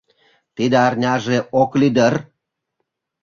Тиде арнянже ок лий дыр.